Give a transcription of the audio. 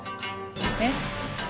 えっ？